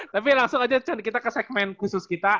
tapi langsung aja kita ke segmen khusus kita